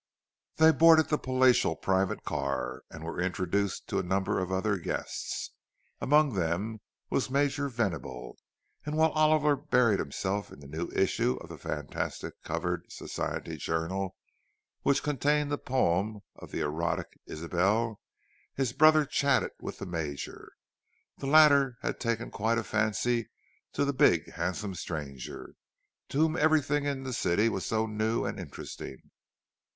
They boarded the palatial private car, and were introduced to a number of other guests. Among them was Major Venable; and while Oliver buried himself in the new issue of the fantastic covered society journal, which contained the poem of the erotic "Ysabel," his brother chatted with the Major. The latter had taken quite a fancy to the big handsome stranger, to whom everything in the city was so new and interesting.